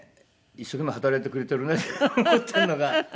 一生懸命働いてくれてるねって思ってるのか。